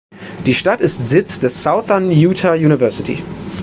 Die Stadt ist Sitz der Southern Utah University.